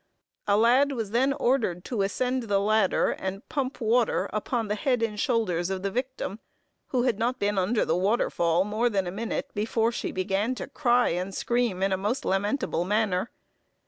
A lad was then ordered to ascend the ladder, and pump water upon the head and shoulders of the victim; who had not been under the waterfall more than a minute, before she began to cry and scream in a most lamentable manner.